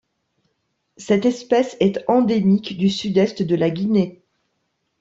Cette espèce est endémique du sud-est de la Guinée.